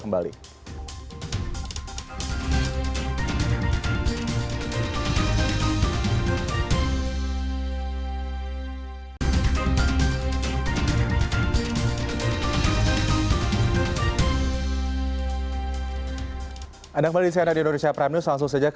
kalau tidak didatangi oleh polisi saya digeruduk